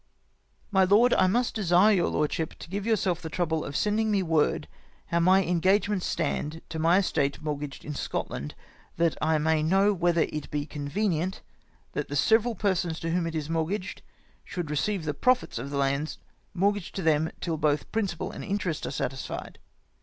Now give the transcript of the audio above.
My Lord, — I must desire your lordship to give yourself the trouble of sending me word how my engagements stand to my estate mortgaged in Scotland, that I may know whether it be convenient that the several persons to whom it is mortgaged should receive the profits of the lands mort gaged to them till both principal and interest is satisfied.